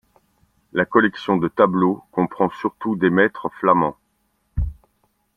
La collection de tableaux comprend surtout des maîtres flamands.